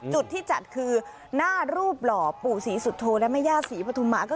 จุดที่จัดคือหน้ารูปหล่อปู่ศรีสุโธและแม่ย่าศรีปฐุมา